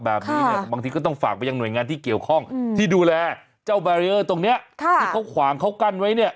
แบบนี้เนี่ยบางทีก็ต้องฝากไปยังหน่วยงานที่เกี่ยวข้องที่ดูแลเจ้าแบรีเออร์ตรงนี้ที่เขาขวางเขากั้นไว้เนี่ย